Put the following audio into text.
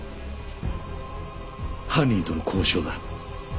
犯人との交渉だ。